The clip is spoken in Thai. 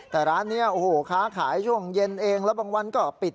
แต่ร้านนี้โอ้โหค้าขายช่วงเย็นเองแล้วบางวันก็ปิด